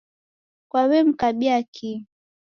Kwaw'emkabia kihi?